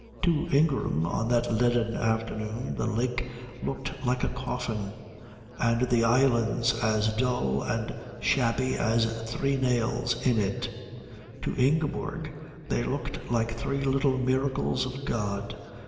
To Ingram on that leaden afternoon the lake looked like a coffin, and the islands as dull and shabby as three nails in it; to Ingeborg they looked like three little miracles of God.